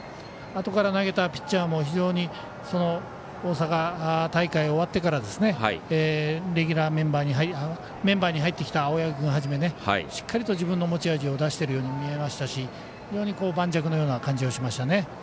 あとから投げたピッチャーも非常に大阪大会終わってからメンバーに入ってきた青柳君はじめしっかりと自分の持ち味を出しているように見えましたし非常に盤石のような感じがしました。